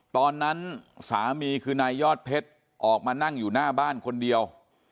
ตอนนั้นสามีคือนายยอดเพชรออกมานั่งอยู่หน้าบ้านคนเดียว